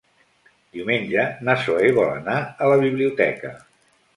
Diumenge na Zoè vol anar a la biblioteca.